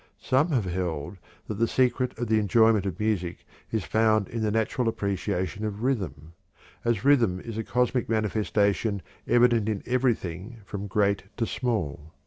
Some have held that the secret of the enjoyment of music is found in the natural appreciation of rhythm, as rhythm is a cosmic manifestation evident in everything from great to small.